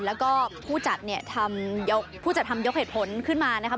แล้วก็ผู้จัดทำยกเหตุผลขึ้นมานะครับ